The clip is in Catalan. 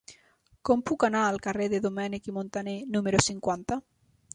Com puc anar al carrer de Domènech i Montaner número cinquanta?